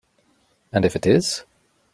And if it is?